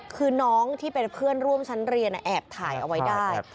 คือน้องที่เป็นเพื่อนร่วมชั้นเรียนแอบถ่ายเอาไว้ได้